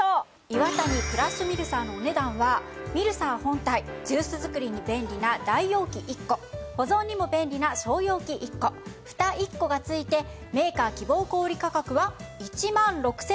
イワタニクラッシュミルサーのお値段はミルサー本体ジュース作りに便利な大容器１個保存にも便利な小容器１個フタ１個が付いてメーカー希望小売価格は１万６５００円。